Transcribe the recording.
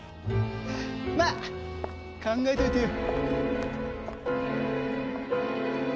まあ考えといてよ。